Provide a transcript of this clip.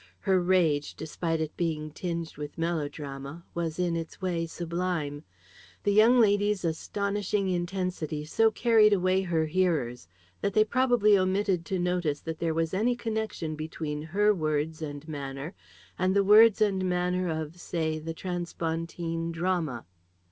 Her rage, despite it being tinged with melodrama, was in its way sublime. The young lady's astonishing intensity so carried away her hearers that they probably omitted to notice that there was any connection between her words and manner and the words and manner of, say, the transpontine drama.